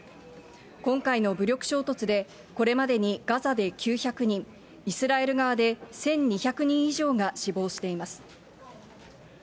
今回の武力衝突で、これまでにガザで９００人、イスラエル側で１２００人以上が死亡しています。